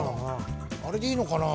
あれでいいのかな？